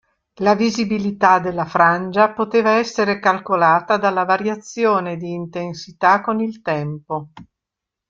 La visibilità della frangia poteva essere calcolata dalla variazione di intensità con il tempo.